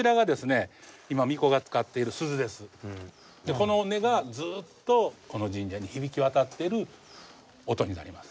この音がずっとこの神社に響き渡ってる音になります。